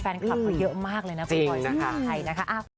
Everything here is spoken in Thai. แฟนคลับเยอะมากเลยนะจริงนะคะใครนะคะ